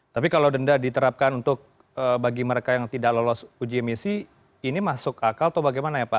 tapi kalau denda diterapkan untuk bagi mereka yang tidak lolos uji emisi ini masuk akal atau bagaimana ya pak